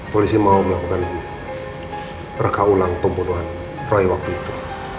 polisi mau melakukan reka ulang pembunuhan roy waktu itu